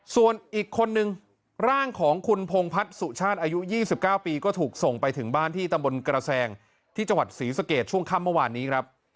ส่วนอีกคนนึงร่างของคุณพงพัฒน์สุชาติอายุ๒๙ปีก็ถูกส่งไปถึงบ้านที่ตำบลกระแสงที่จังหวัดศรีสเกตช่วงค่ำเมื่อวานนี้ครับ